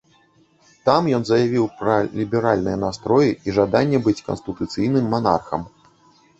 Там ён заявіў пра ліберальныя настроі і жаданне быць канстытуцыйным манархам.